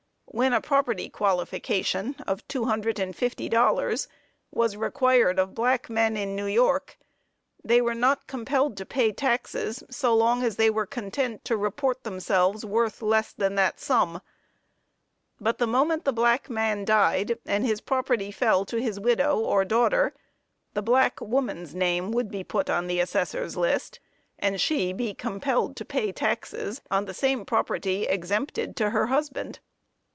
When a property qualification of $250 was required of black men in New York, they were not compelled to pay taxes, so long as they were content to report themselves worth less than that sum; but the moment the black man died, and his property fell to his widow or daughter, the black woman's name would be put on the assessor's list, and she be compelled to pay taxes on the same property exempted to her husband.